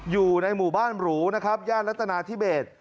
อยู่ในหมู่บ้านหรูนะครับย่านรัฐนาธิเบส